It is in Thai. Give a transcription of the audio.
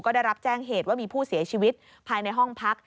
ก็ได้รับแจ้งเหตุว่ามีผู้เสียชีวิตภายในห้องพัก